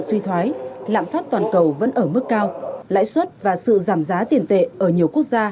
suy thoái lạm phát toàn cầu vẫn ở mức cao lãi suất và sự giảm giá tiền tệ ở nhiều quốc gia